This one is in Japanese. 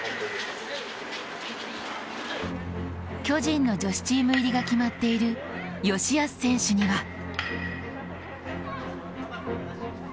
巨人の女子チーム入りが決まっている吉安選手には